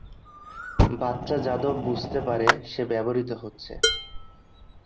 বাচ্চা যাদব বুঝতে পারে সে ব্যবহৃত হচ্ছে।